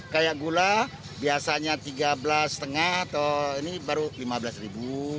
kayak gula biasanya rp tiga belas lima atau ini baru rp lima belas ribu